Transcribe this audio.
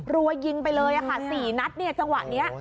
รัวยิงไปเลยค่ะ๔นัดเนี่ยจังหวะนี้